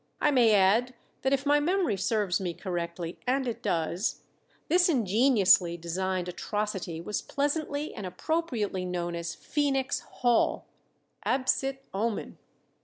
_ I may add that if my memory serves me correctly and it does this ingeniously designed atrocity was pleasantly and appropriately known as Phenix Hall. _Absit omen!